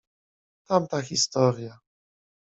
Tamta historia.